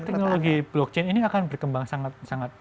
teknologi blockchain ini akan berkembang sangat sangat